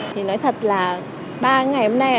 thì nói thật là ba ngày hôm nay